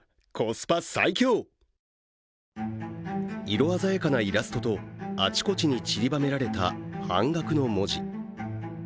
色鮮やかなイラストと、あちこちにちりばめられた半額の文字。